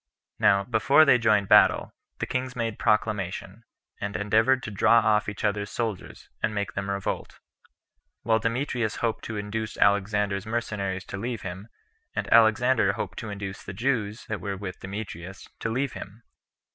Now, before they joined battle, the kings made proclamation, and endeavored to draw off each other's soldiers, and make them revolt; while Demetrius hoped to induce Alexander's mercenaries to leave him, and Alexander hoped to induce the Jews that were with Demetrius to leave him.